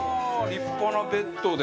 立派なベッドで。